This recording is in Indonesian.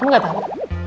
kamu gak tau